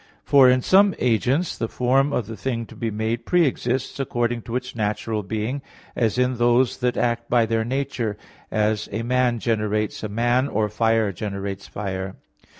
For in some agents the form of the thing to be made pre exists according to its natural being, as in those that act by their nature; as a man generates a man, or fire generates fire.